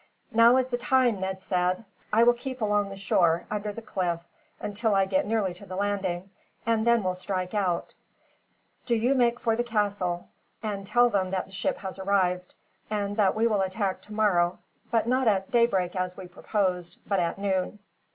"Now is the time," Ned said. "I will keep along the shore, under the cliff, until I get nearly to the landing; and will then strike out. Do you make for the castle, and tell them that the ship has arrived, and that we will attack tomorrow; but not at daybreak, as we proposed, but at noon."